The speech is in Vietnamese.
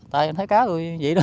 tại thấy cá tôi vậy đó